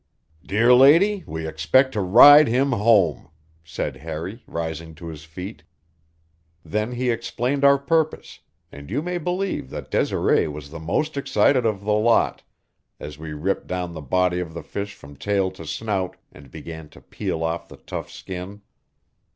"Dear lady, we expect to ride him home," said Harry, rising to his feet. Then he explained our purpose, and you may believe that Desiree was the most excited of the lot as we ripped down the body of the fish from tail to snout and began to peel off the tough skin.